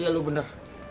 iya lu bener